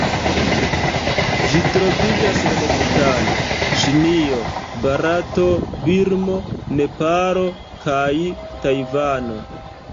Ĝi troviĝas en Butano, Ĉinio, Barato, Birmo, Nepalo kaj Tajvano.